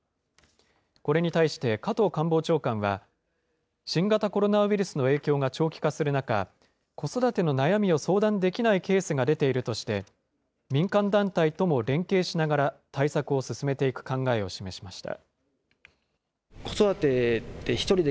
これに対して加藤官房長官は、新型コロナウイルスの影響が長期化する中、子育ての悩みを相談できないケースが出ているとして、民間団体とも連携しながら、対策を進めていく考えを示しました。